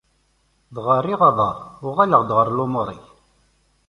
Dɣa rriɣ aḍar, uɣaleɣ-d ɣer lumuṛ-ik.